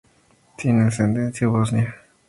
Tiene ascendencia bosnia.